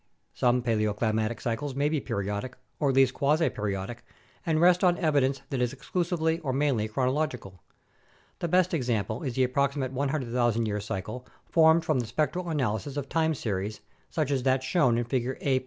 Some paleoclimatic cycles may be periodic, or at least quasi periodic, and rest on evidence that is exclusively or mainly chronological. The best example is the approximate 100,000 year cycle found from the spectral analysis of time series, such as that shown in Figure A.